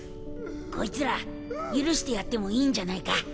こいつら許してやってもいいんじゃないか？